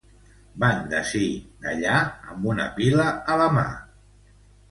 Van d'ací d'allà amb una pila a la mà.